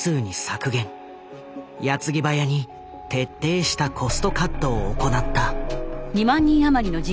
矢継ぎ早に徹底したコストカットを行った。